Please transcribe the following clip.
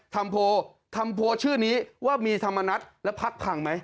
ทำโพลทำโพลชื่อนี้ว่ามีธรรมนัฐแล้วพักพังไหม